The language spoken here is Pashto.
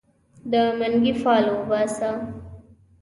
د منګې فال وباسه